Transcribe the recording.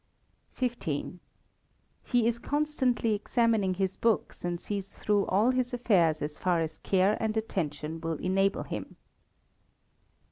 xv. He is constantly examining his books, and sees through all his affairs as far as care and attention will enable him.